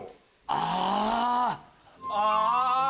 ああ！